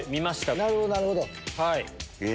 なるほど、なるほど。